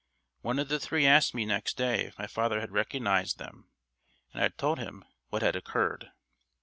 One of the three asked me next day if my father had recognised them, and I told him what had occurred.